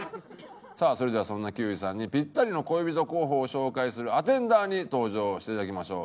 さあそれではそんな休井さんにピッタリの恋人候補を紹介するアテンダーに登場していただきましょう。